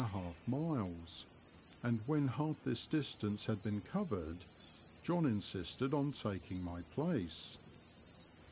and a half miles, and when half this distance had been covered, John insisted on taking my place.